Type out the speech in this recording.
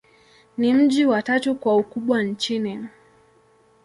Ni mji wa tatu kwa ukubwa nchini.